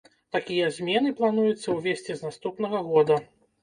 Такія змены плануецца ўвесці з наступнага года.